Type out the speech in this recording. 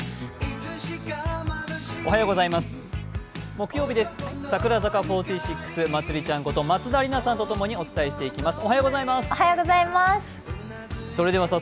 木曜日です、櫻坂４６、まつりちゃんこと松田里奈さんとともにお伝えしていきます。